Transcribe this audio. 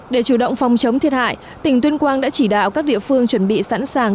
để chủ động phòng chống thiệt hại tỉnh tuyên quang đã chỉ đạo các địa phương chuẩn bị sẵn sàng